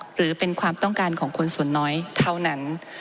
หรือเป็นความต้องการของคนส่วนน้อยเท่านั้น